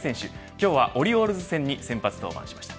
今日はオリオールズ戦に先発登板しました。